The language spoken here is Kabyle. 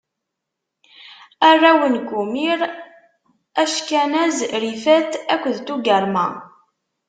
Arraw n Gumir: Ackanaz, Rifat akked Tugarma.